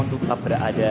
untuk tetap berada